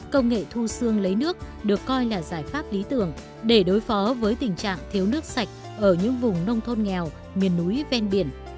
công nghệ thu xương lấy nước được coi là giải pháp lý tưởng để đối phó với tình trạng thiếu nước sạch ở những vùng nông thôn nghèo miền núi ven biển